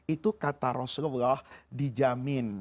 itu kata rasulullah dijamin